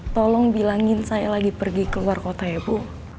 tolong bilangin saya lagi pergi ke luar kota ya bu